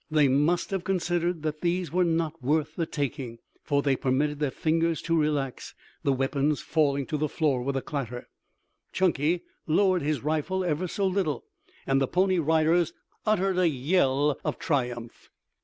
They must have considered that these were not worth the taking, for they permitted their fingers to relax, the weapons falling to the floor with a clatter. Chunky lowered his rifle ever so little, and the Pony Riders uttered a yell of triumph.